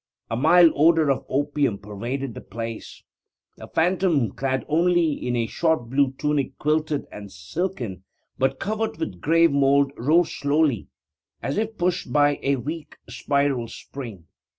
A mild odour of opium pervaded the place. The phantom, clad only in a short blue tunic quilted and silken but covered with grave mould, rose slowly, as if pushed by a weak spiral spring.